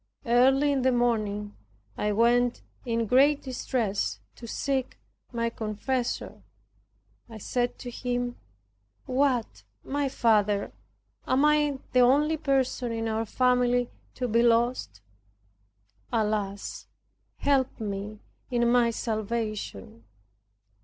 Early in the morning I went in great distress to seek my confessor. I said to him, "What! my father, am I the only person in our family to be lost? Alas; help me in my salvation."